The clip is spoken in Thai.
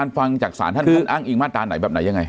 ฟังจากศาลท่านท่านอ้างอิงมาตราไหนแบบไหนยังไง